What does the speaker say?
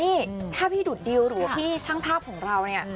นี่ถ้าพี่ดุดดิวหรือว่าพี่ช่างภาพของเราเนี่ย